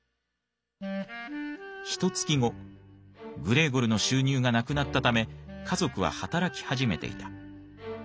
ひとつき後グレーゴルの収入が無くなったため家族は働き始めていた。